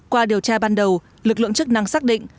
qua điều tra ban đầu lực lượng chức năng xác định